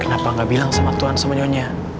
kenapa gak bilang sama tuhan semuanya